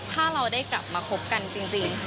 ถ้าเราได้กลับมาคบกันจริง